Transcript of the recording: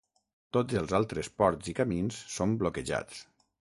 Tots els altres ports i camins són bloquejats.